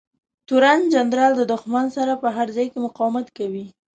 تورن جنرال د دښمن سره په هر ځای کې مقاومت کوي.